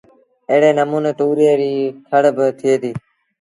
ايڙي نموٚني تُوريئي ريٚ کڙ با ٿئي ديٚ